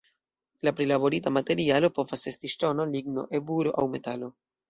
La prilaborita materialo povas esti ŝtono, ligno, eburo aŭ metalo.